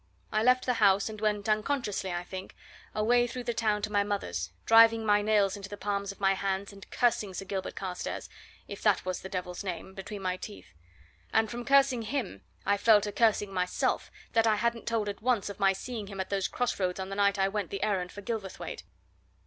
I left the house, and went unconsciously, I think away through the town to my mother's, driving my nails into the palms of my hands, and cursing Sir Gilbert Carstairs if that was the devil's name! between my teeth. And from cursing him, I fell to cursing myself, that I hadn't told at once of my seeing him at those crossroads on the night I went the errand for Gilverthwaite.